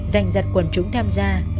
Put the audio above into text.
dành giặt quần chúng tham gia